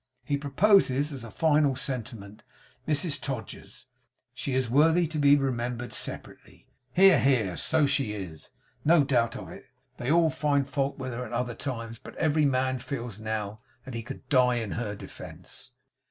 He proposes, as a final sentiment, Mrs Todgers. She is worthy to be remembered separately. Hear, hear. So she is; no doubt of it. They all find fault with her at other times; but every man feels now, that he could die in her defence.